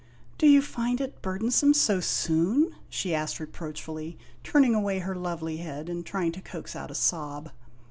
" Do you find it burdensome so soon ?" she asked reproachfully, turning away her lovely head and trying to coax out a sob.